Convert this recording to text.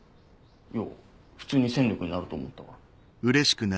いや普通に戦力になると思ったから。